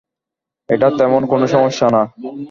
এটা তেমন কোন সমস্যা না।